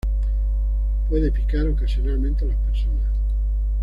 Puede picar ocasionalmente a las personas.